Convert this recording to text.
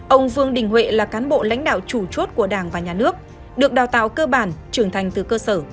ông vương đình huệ là cán bộ lãnh đạo chủ chốt của đảng và nhà nước được đào tạo cơ bản trưởng thành từ cơ sở